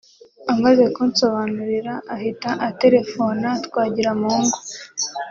Amaze kunsobanurira ahita atelefona Twagiramungu